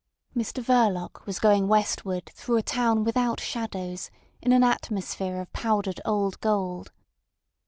Mr Verloc was going westward through a town without shadows in an atmosphere of powdered old gold.